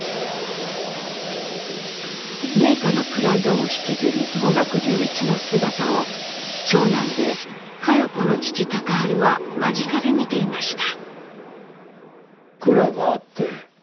名家のプライドを引きずりもがく隆一の姿を長男で佳代子の父隆治は間近で見ていました。